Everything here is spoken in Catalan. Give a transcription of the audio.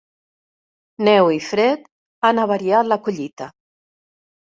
Neu i fred han avariat la collita.